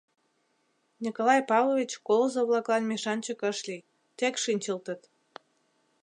Николай Павлович колызо-влаклан мешанчык ыш лий, тек шинчылтыт.